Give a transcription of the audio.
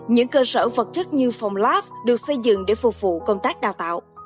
những cơ sở vật chất như phòng lab được xây dựng để phục vụ công tác đào tạo